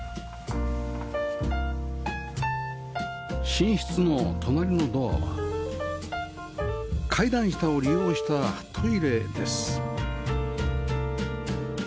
寝室の隣のドアは階段下を利用したトイレです